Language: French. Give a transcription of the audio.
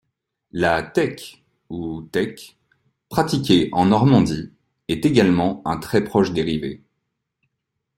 La tèque ou thèque pratiquée en Normandie est également un très proche dérivé.